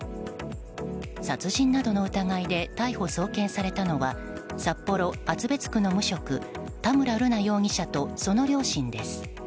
殺人などの疑いで逮捕・送検されたのは札幌・厚別区の無職田村瑠奈容疑者とその両親です。